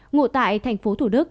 ngụ tại tp thủ đức